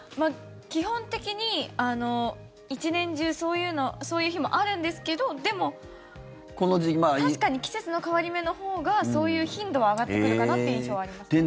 基本的に１年中そういう日もあるんですけどでも、確かに季節の変わり目のほうがそういう頻度は上がってくるかなという印象はあります。